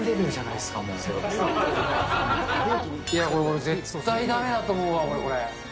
いや、これ、絶対だめだと思うわ、これ。